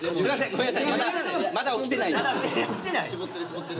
ごめんなさい！